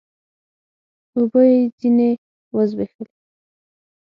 اوبه يې ځيني و زبېښلې